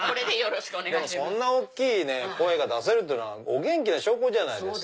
そんな大きい声が出せるってのはお元気な証拠じゃないですか。